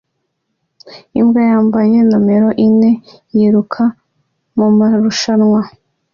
Imbwa yambaye numero ine yiruka mumarushanwa